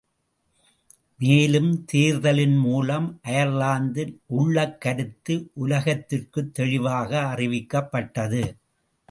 மேலும் தேர்தலின் மூலம் அயர்லாந்தின் உள்ளக் கருத்து உலகத்திற்குத் தெளிவாக அறிவிக்கப்ட்டது.